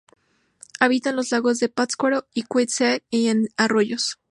Habita en los lagos de Pátzcuaro y Cuitzeo y en arroyos.